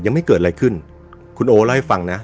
ยังไม่เกิดอะไรขึ้นคุณโอเล่าให้ฟังนะ